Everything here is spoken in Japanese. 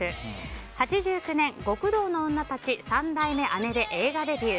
８９年「極道の妻たち三代目姐」で映画デビュー。